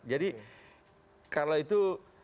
jadi kalau itu